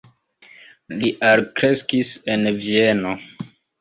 Li alkreskis en Vieno.